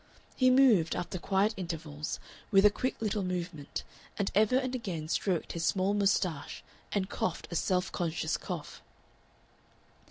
He moved, after quiet intervals, with a quick little movement, and ever and again stroked his small mustache and coughed a self conscious cough.